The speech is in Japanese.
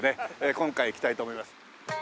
今回いきたいと思います。